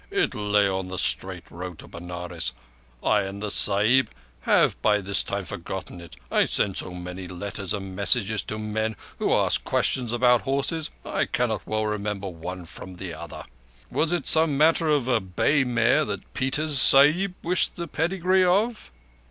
It lay on the straight road to Benares. I and the Sahib have by this time forgotten it. I send so many letters and messages to men who ask questions about horses, I cannot well remember one from the other. Was it some matter of a bay mare that Peters Sahib wished the pedigree of?"